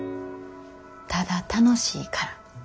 「ただ楽しいから」。